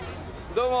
どうも。